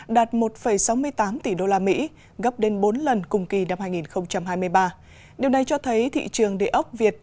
đạt một sáu mươi tám tỷ usd gấp đến bốn lần cùng kỳ năm hai nghìn hai mươi ba điều này cho thấy thị trường đề ốc việt